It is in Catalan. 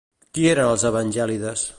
Qui eren els Evangèlides?